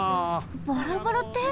バラバラって！？